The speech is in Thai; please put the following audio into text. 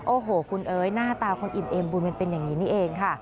โอ้โหคุณเอ๋ยหน้าตาคนอิ่มเอ็มบุญมันเป็นอย่างนี้นี่เองค่ะ